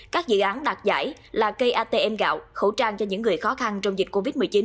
các dự án đạt giải là cây atm gạo khẩu trang cho những người khó khăn trong dịch covid một mươi chín